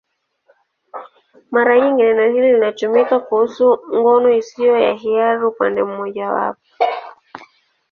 Mara nyingi neno hili linatumika kuhusu ngono isiyo ya hiari upande mmojawapo.